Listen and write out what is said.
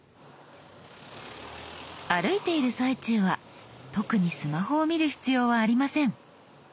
歩いている最中は特にスマホを見る必要はありません。